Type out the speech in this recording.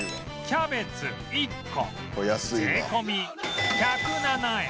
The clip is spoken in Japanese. キャベツ１個税込１０７円